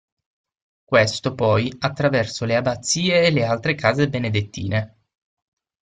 Questo, poi, attraverso le abazie e le altre case benedettine.